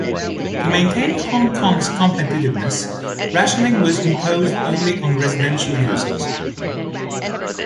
To maintain Hong Kong's competitiveness, rationing was imposed only on residential users.